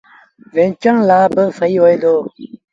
ويٚنچڻ لآ با سهيٚ هوئي دو۔